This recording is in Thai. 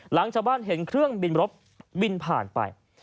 หลังชาวบ้านเห็นเครื่องบินรบบินผ่านไป